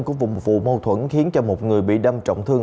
của vùng vụ mâu thuẫn khiến một người bị đâm trọng thương